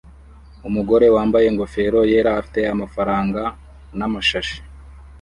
Umugore wambaye ingofero yera afite amafaranga namashashi